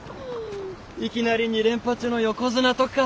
いきなり２連覇中の横綱とか。